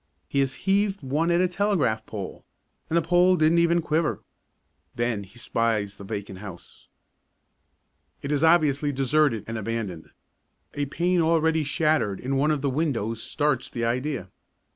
He has heaved one at a telegraph pole, and the pole didn't even quiver. Then he spies the vacant house. It is obviously deserted and abandoned. A pane already shattered in one of the windows starts the idea.